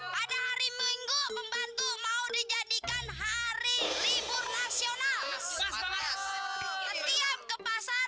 pada hari minggu pembantu mau dijadikan hari libur nasional